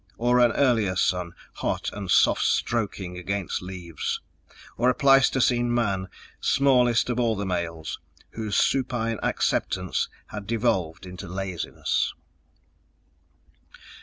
_ Or an earlier sun, hot and soft stroking against leaves. Or a Pleistocene man, smallest of all the males, whose supine acceptance had devolved into laziness....